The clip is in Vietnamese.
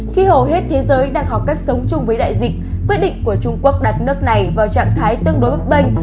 khi hầu hết thế giới đang học cách sống chung với đại dịch quyết định của trung quốc đặt nước này vào trạng thái tương đối bấp bênh